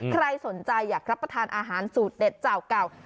ใครสนใจอยากรับประทานอาหารสูตรเด็ดเจ้าเก่า